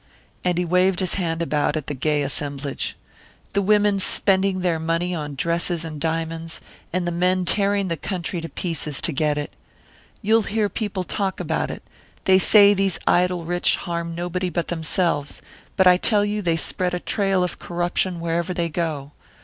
And he waved his hand about at the gay assemblage. "The women spending their money on dresses and diamonds, and the men tearing the country to pieces to get it. You'll hear people talk about it they say these idle rich harm nobody but themselves; but I tell you they spread a trail of corruption wherever they go.